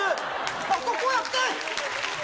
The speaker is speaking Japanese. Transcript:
あそこやって！